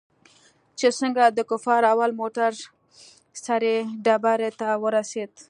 چې څنگه د کفارو اول موټر سرې ډبرې ته ورسېد.